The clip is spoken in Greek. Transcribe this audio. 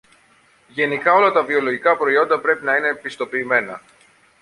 Γενικά, όλα τα βιολογικά προϊόντα πρέπει να είναι πιστοποιημένα